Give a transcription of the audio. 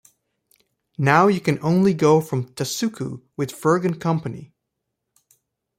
Now you can only go from Tasucu with Fergun Company.